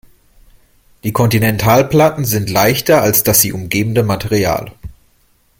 Die Kontinentalplatten sind leichter als das sie umgebende Material.